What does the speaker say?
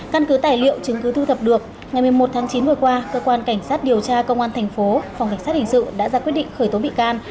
căn cứ tài liệu chứng cứ thu thập được ngày một mươi một tháng chín vừa qua cơ quan cảnh sát điều tra công an tp hcm đã ra quyết định khởi tố bị can